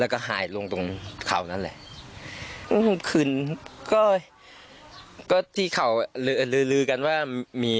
แล้วก็หายลงตรงเขานั่นแหละก็ที่เขาลือลือกันว่ามี